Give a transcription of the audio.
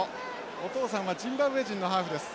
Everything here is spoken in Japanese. お父さんはジンバブエ人のハーフです。